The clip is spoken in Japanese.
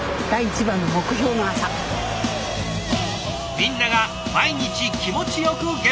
みんなが毎日気持ちよく現場へ。